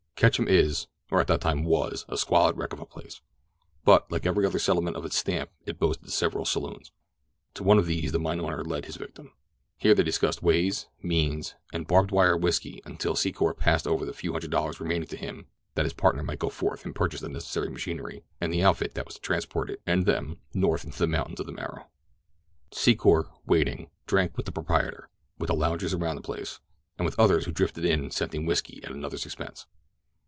Ketchum is, or at that time was, a squalid wreck of a place; but, like every other settlement of its stamp it boasted several saloons. To one of these the mine owner led his victim. Here they discussed ways, means, and barbed wire whisky until Secor passed over the few hundred dollars remaining to him that his new partner might go forth and purchase the necessary machinery and the outfit that was to transport it and them North into the mountains on the morrow. Secor, waiting, drank with the proprietor, with the loungers about the place, and with others who drifted in scenting whisky at another's expense.